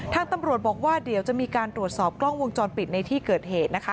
ทางตำรวจบอกว่าเดี๋ยวจะมีการตรวจสอบกล้องวงจรปิดในที่เกิดเหตุนะคะ